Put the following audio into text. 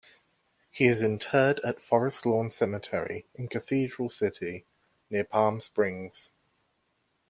He is interred at Forest Lawn Cemetery in Cathedral City, near Palm Springs.